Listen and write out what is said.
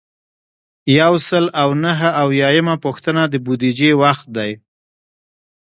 یو سل او نهه اویایمه پوښتنه د بودیجې وخت دی.